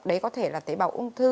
đấy có thể là tế bào ung thư